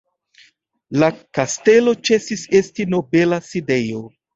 La kastelo ĉesis esti nobela sidejo.